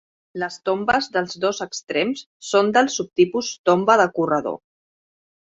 Les tombes dels dos extrems són del subtipus tomba de corredor.